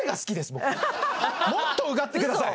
僕もっとうがってください！